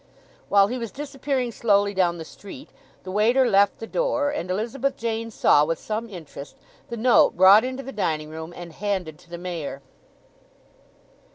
While he was disappearing slowly down the street the waiter left the door, and Elizabeth Jane saw with some interest the note brought into the dining room and handed to the Mayor.